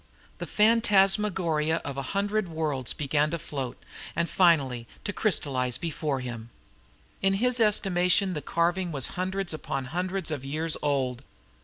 The phantasmagoria of a hundred worlds began to float, and finally to crystallise, before him. In his estimation the carving was hundreds upon hundreds of years old.